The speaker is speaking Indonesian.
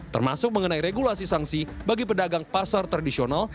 termasuk mengenai regulasi sanksi bagi pedagang pasar tradisional